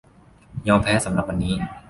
ยอมแพ้สำหรับวันนี้